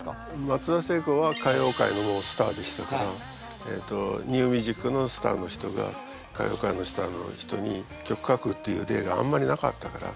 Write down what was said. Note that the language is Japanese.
松田聖子は歌謡界のスターでしたからニューミュージックのスターの人が歌謡界のスターの人に曲書くっていう例があんまりなかったから。